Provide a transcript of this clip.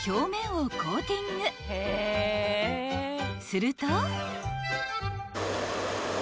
［すると］